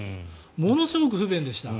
ものすごく不便でした。